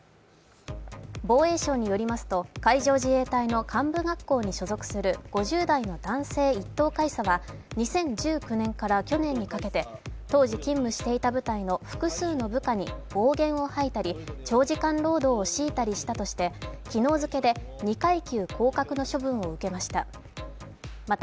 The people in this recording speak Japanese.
防衛省によりますと、海上自衛隊の幹部学校に所属する５０代の男性１等海佐は２０１９年から去年にかけて当時勤務していた部隊の複数の部下に暴言を吐いたり、長時間労働を強いたりしたとして昨日付けで２階級降格の処分を受けました。